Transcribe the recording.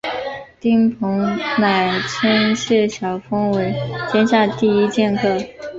丁鹏仍称谢晓峰为天下第一剑客。